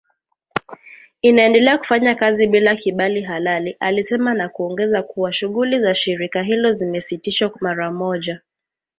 Inaendelea kufanya kazi bila kibali halali alisema na kuongeza kuwa shughuli za shirika hilo zimesitishwa mara moja.